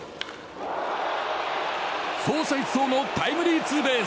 走者一掃のタイムリーツーベース。